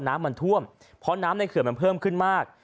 น้ำท่วมเพราะน้ำในเขื่อนมันเพิ่มขึ้นมาก